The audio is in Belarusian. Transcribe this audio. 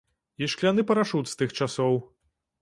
І шкляны парашут з тых часоў.